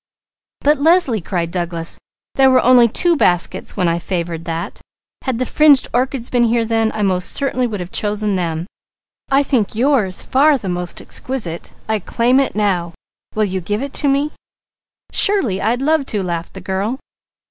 "But Leslie!" cried Douglas, "there were only two baskets when I favoured that. Had the fringed orchids been here then, I most certainly should have chosen them. I think yours far the most exquisite! I claim it now. Will you give it to me?" "Surely! I'd love to," laughed the girl.